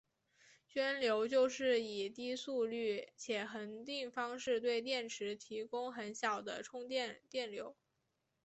涓流就是以低速率且恒定方式对电池提供很小的充电电流。